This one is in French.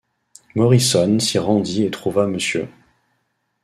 Morrisson s’y rendit et trouva Mr.